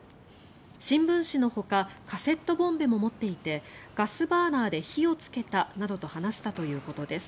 新聞紙のほかカセットボンベも持っていてガスバーナーで火をつけたなどと話したということです。